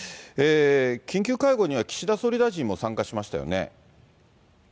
緊急会合には、岸田総理大臣も参加しましたよね。